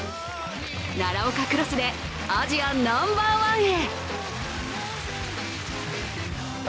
奈良岡クロスでアジアナンバーワンへ。